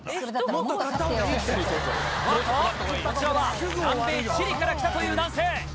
おっと、こちらは南米チリから来たという男性。